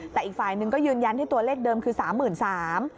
แต่อีกฝ่ายหนึ่งก็ยืนยันที่ตัวเลขเดิมคือสามหมื่นสาม